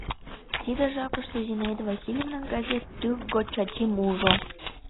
Тиде жапыште Зинаида Васильевна газет тӱр гоч Чачим ужо.